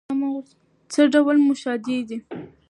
څه ډول موشادې دي؟